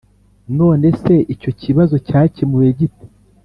none se icyo kibazo cyakemuwe gite ?